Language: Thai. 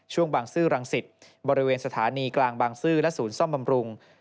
บางซื่อรังสิตบริเวณสถานีกลางบางซื่อและศูนย์ซ่อมบำรุง